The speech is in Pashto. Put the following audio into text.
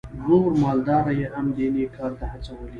نور مالداره یې هم دې نېک کار ته هڅولي.